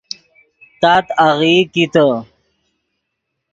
تات آغیئی کیتے